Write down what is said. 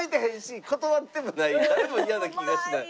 誰もイヤな気がしない。